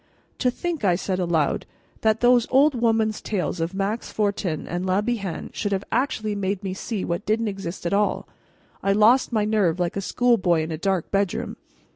"To think," I said aloud, "that those old woman's tales of Max Fortin and Le Bihan should have actually made me see what didn't exist at all! I lost my nerve like a schoolboy in a dark bedroom."